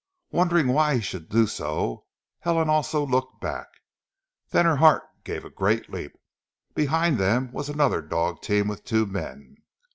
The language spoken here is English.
Wondering why he should do so Helen also looked back. Then her heart gave a great leap. Behind them was another dog team with two men.